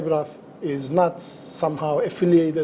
karena alam bandung itu